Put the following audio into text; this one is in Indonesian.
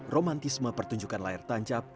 romantisme pertunjukan layar tancap